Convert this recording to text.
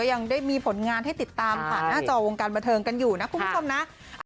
ยังได้มีผลงานให้ติดตามผ่านหน้าจอวงการบันเทิงกันอยู่นะคุณผู้ชมนะ